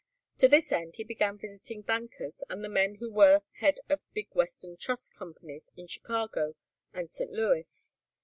To this end he began visiting bankers and the men who were head of big western trust companies in Chicago and St. Louis.